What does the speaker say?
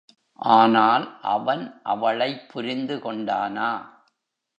ஆனால் அவன் அவளைப் புரிந்துகொண்டானா?